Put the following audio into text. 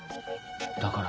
だから。